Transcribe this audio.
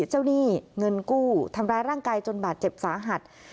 หนี้เงินกู้ทำร้ายร่างกายจนบาดเจ็บสาหัส